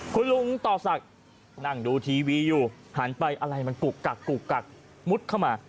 คุณลุงต่อศักดิ์นั่งดูทีวีอยู่หันไปอะไรมันกุกกักกุกกักมุดเข้ามา